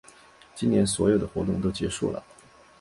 今年所有的活动都结束啦